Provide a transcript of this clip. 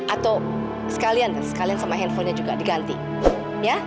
atau sekalian sekalian sama handphonenya juga diganti ya